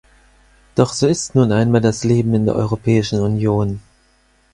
Doch so ist nun einmal das Leben in der Europäischen Union.